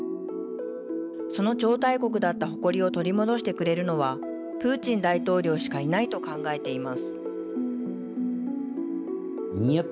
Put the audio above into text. その超大国だった誇りを取り戻してくれるのはプーチン大統領しかいないと考えています。